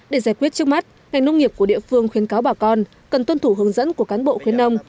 để giải quyết trước mắt ngành nông nghiệp của địa phương khuyến cáo bà con cần tuân thủ hướng dẫn của cán bộ khuyến nông